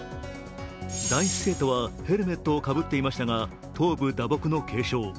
男子生徒はヘルメットをかぶっていましたが頭部打撲の軽傷。